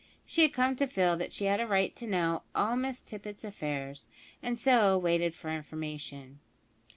She had come to feel that she had a right to know all Miss Tippet's affairs, and so waited for information.